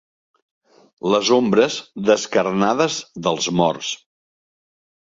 Les ombres descarnades dels morts.